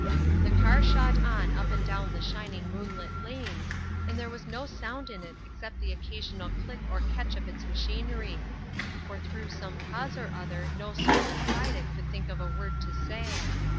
The car shot on up and down the shining moonlit lanes, and there was no sound in it except the occasional click or catch of its machinery; for through some cause or other no soul inside it could think of a word to say.